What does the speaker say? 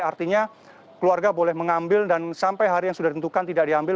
artinya keluarga boleh mengambil dan sampai hari yang sudah ditentukan tidak diambil